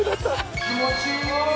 気持ちいい！